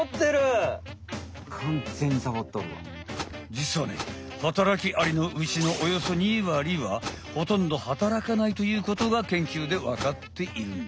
じつはね働きアリのうちのおよそ２割はほとんど働かないということがけんきゅうでわかっているんだ。